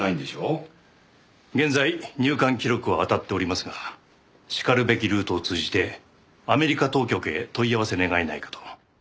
現在入管記録をあたっておりますがしかるべきルートを通じてアメリカ当局へ問い合わせ願えないかと。